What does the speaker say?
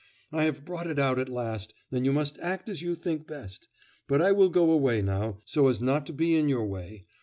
I have brought it out at last, and you must act as you think best. But I will go away now, so as not to be in your way.